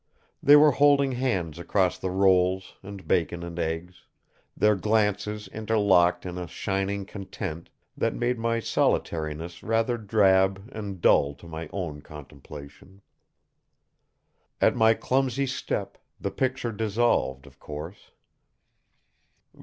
They were holding hands across the rolls and bacon and eggs, their glances interlocked in a shining content that made my solitariness rather drab and dull to my own contemplation. At my clumsy step the picture dissolved, of course.